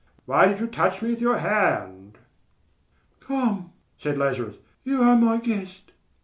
Why did you touch me with your hand?" "Come," said Lazarus, "you are my guest."